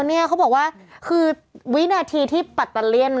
นี่เขาบอกว่าคือวินาทีที่ปรัสตาร์เรียน